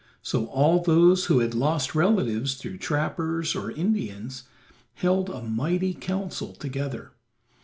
So all those who had lost relatives through trappers or Indians held a mighty counsel together.